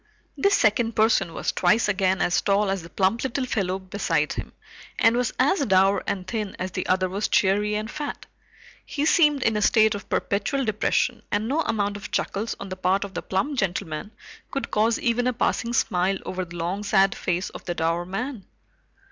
This second person was twice again as tall as the plump little fellow beside him, and was as dour and thin as the other was cheery and fat. He seemed in a state of perpetual depression, and no amount of chuckles on the part of the plump gentleman could cause even a passing smile over the long sad face of the dour man.